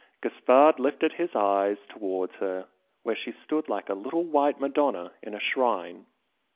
Gaspard lifted his eyes towards her where she stood like a little white Madonna in a shrine.